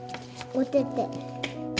おてて。